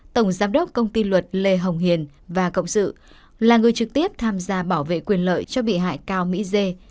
tổng giám đốc công ty luật lê hồng hiền và cộng sự là người trực tiếp tham gia bảo vệ quyền lợi cho bị hại cao mỹ dê